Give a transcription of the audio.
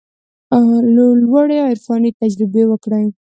لوړې عرفاني تجربې وکړي.